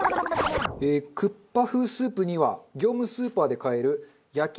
クッパ風スープには業務スーパーで買えるえっ？出た。